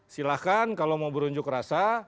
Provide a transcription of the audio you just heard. silahkan kalau mau berunjuk rasa